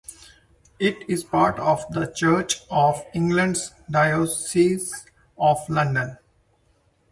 It is part of the Church of England's Diocese of London.